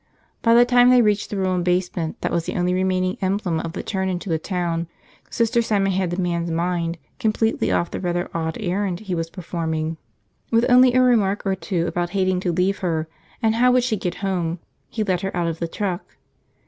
By the time they reached the ruined basement that was the only remaining emblem of the turn into the town, Sister Simon had the man's mind completely off the rather odd errand he was performing. With only a remark or two about hating to leave her, and how would she get home, he let her out of the truck.